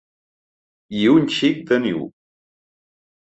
I un xic de niu.